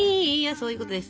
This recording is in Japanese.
そういうことです。